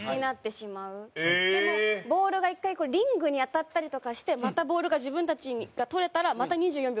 でも、ボールが１回リングに当たったりとかしてまたボールが自分たちが取れたらまた２４秒。